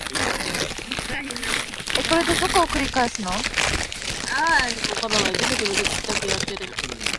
Crazy as ever!